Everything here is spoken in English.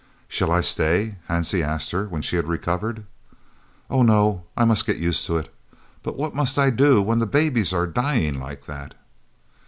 "Shall I stay?" Hansie asked her, when she had recovered. "Oh no; I must get used to it. But what must I do when the babies are dying like that?"